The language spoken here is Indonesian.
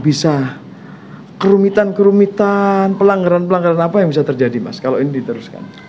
bisa kerumitan kerumitan pelanggaran pelanggaran apa yang bisa terjadi mas kalau ini diteruskan